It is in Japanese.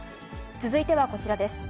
続いてはこちらです。